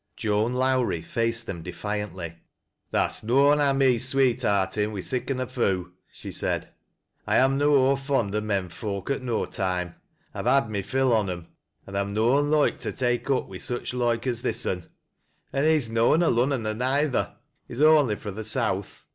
Joan Lowi ie faced them defiantly :" Tha'st uoan ha' me sweetheartin' wi' siccan a foo','' she said, " I amna ower fond o' men folk at no time. I've had my fill on 'em ; a~id I'm uoan loike to tak' up wi' Buch loike as this un. An' he's no an a Lunnoner neither He's on'y fro' th' South.